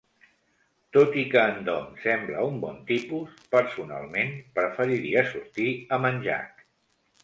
Tot i que en Dom sembla un bon tipus, personalment, preferiria sortir amb en Jack.